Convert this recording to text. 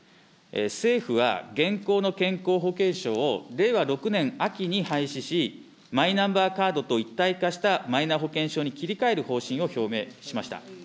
政府は現行の健康保険証を令和６年秋に廃止し、マイナンバーカードと一体化したマイナ保険証に切り替える方針を表明しました。